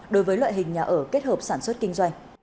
đối với loại hình nhà ở kết hợp sản xuất kinh doanh